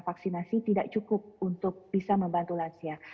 vaksinasi tidak cukup untuk bisa membantu lansia